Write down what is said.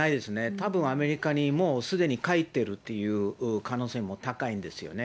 たぶん、アメリカにもうすでに帰っているっていう可能性も高いんですね。